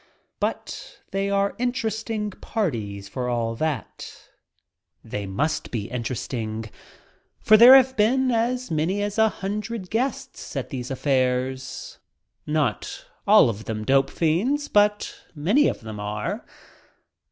But they are interesting parties for all that. They must be interesting, for there have been as many as a hundred guests at these "affairs," not all of them dope fiends, but many of them are.